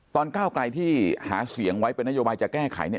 ตอนก้าวกายที่หาเสียงไว้เป็นนโยบายจะแก้ไข